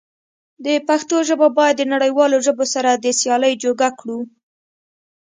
د پښتو ژبه بايد د نړيوالو ژبو سره د سيالی جوګه کړو.